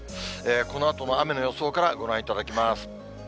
このあとの雨の予想からご覧いただきます。